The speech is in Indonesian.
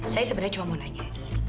saya sebenarnya cuma mau nanya